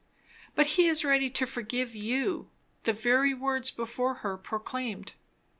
"But he is ready to forgive you," the very words before her proclaimed.